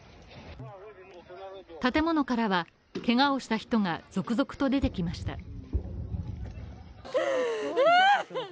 建物からはけがをした人が続々と出てきました。